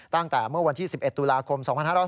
ตั้งแต่เมื่อวันที่๑๑ตุลาคม๒๕๕๙